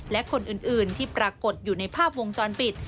และคนอื่นที่ปรากฏอยู่ในภาพวงจรปิด